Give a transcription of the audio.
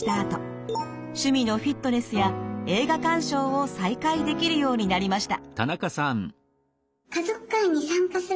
趣味のフィットネスや映画鑑賞を再開できるようになりました。